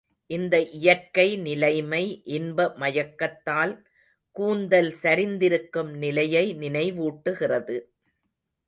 இந்த இயற்கை நிலைமை, இன்ப மயக்கத்தால் கூந்தல் சரிந்திருக்கும் நிலையை நினைவூட்டுகிறது.